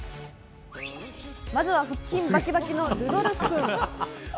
まずは腹筋バキバキのルドルフ君。